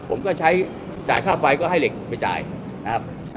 ผมก็ใช้จ่ายค่าไฟก็ให้เหล็กไปจ่ายนะครับ